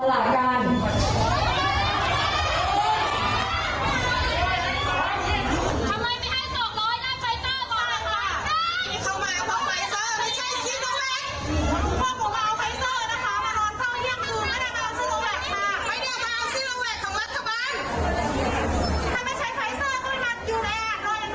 แต่พ่อช้าก็กลับบ้านแล้ว